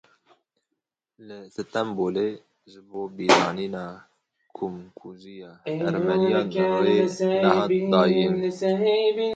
Li Stenbolê ji bo bîranîna Komkujiya Ermeniyan rê nehat dayîn.